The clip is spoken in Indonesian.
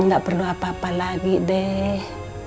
nggak perlu apa apa lagi deh